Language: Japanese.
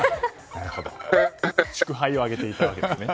祝杯を挙げていたんですね。